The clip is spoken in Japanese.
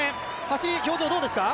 走り、表情、どうですか。